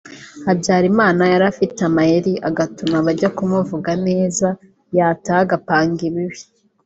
Habyarimana yari afite amayeri agatuma abajya kumuvuga neza yataha agapanga ibibi